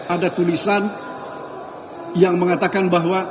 ada tulisan yang mengatakan bahwa